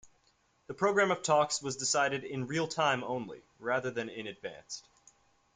The programme of talks was decided 'in real time' only, rather than in advance.